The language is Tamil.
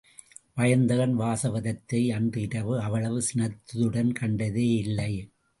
வயந்தகன் வாசவதத்தையை அன்றுவரை அவ்வளவு சினத்துடன் கண்டதே இல்லை.